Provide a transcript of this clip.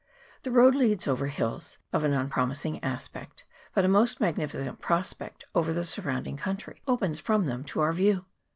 The road leads over hills of an unpromising aspect, but a most magnificent prospect over the surrounding country opens from them to our view.